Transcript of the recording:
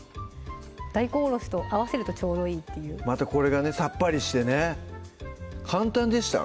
大根おろしと合わせるとちょうどいいっていうまたこれがねさっぱりしてね簡単でした？